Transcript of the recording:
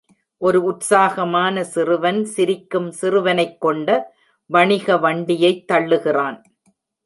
ஒரு உற்சாகமான சிறுவன் சிரிக்கும் சிறுவனைக் கொண்ட வணிக வண்டியைத் தள்ளுகிறான்.